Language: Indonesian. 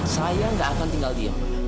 saya gak akan tinggal diam pa